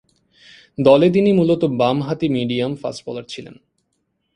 দলে তিনি মূলতঃ বামহাতি মিডিয়াম ফাস্ট বোলার ছিলেন।